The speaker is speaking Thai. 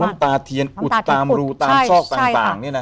เอาน้ำตาเทียนอุดตามรูตามชอกต่างเนี่ยนะ